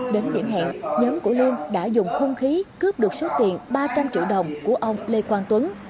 đến điểm hẹn nhóm của liêm đã dùng hung khí cướp được số tiền ba trăm linh triệu đồng của ông lê quang tuấn